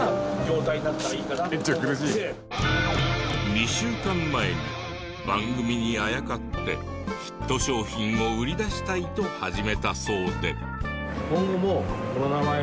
２週間前に番組にあやかってヒット商品を売り出したいと始めたそうで。